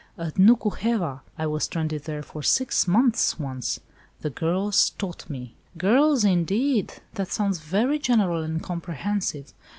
"At Nuku heva! I was stranded there for six months once. The girls taught me." "Girls, indeed! That sounds very general and comprehensive.